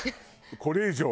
これ以上。